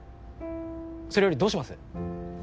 それよりどうします。